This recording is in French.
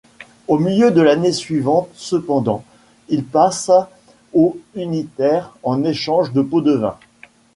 Au milieu de l’année suivante cependant, il passa aux unitaires en échange de pots-de-vin.